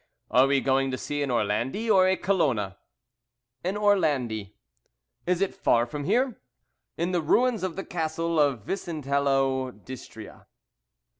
"Are we going to see an Orlandi or a Colona?" "An Orlandi." "Is it far from here?" "In the ruins of the Castle of Vicentello d'Istria."